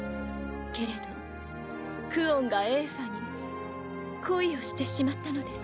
けれどクオンがエーファに恋をしてしまったのです。